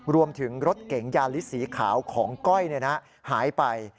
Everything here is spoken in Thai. รวมถึงรถเก๋งยาลิสสีขาวของก้อยหายไป